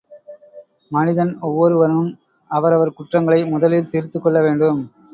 மனிதன் ஒவ்வொருவனும் அவரவர் குற்றங்களை முதலில் திருத்திக் கொள்ள வேண்டும்.